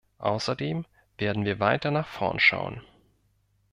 Außerdem werden wir weiter nach vorn schauen.